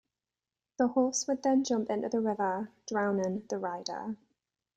The horse would then jump into the river, drowning the rider.